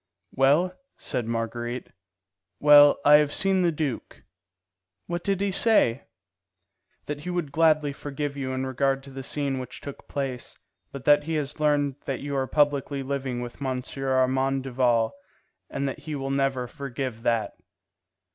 "Well?" said Marguerite. "Well, I have seen the duke." "What did he say?" "That he would gladly forgive you in regard to the scene which took place, but that he has learned that you are publicly living with M. Armand Duval, and that he will never forgive that.